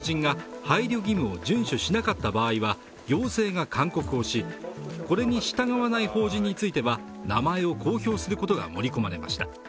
修正案には、寄付の勧誘を行う法人が配慮義務を順守しなかった場合は行政が勧告をし、これに従わない法人については名前を公表することが盛り込まれました。